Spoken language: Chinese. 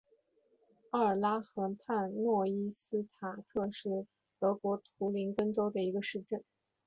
奥尔拉河畔诺伊斯塔特是德国图林根州的一个市镇。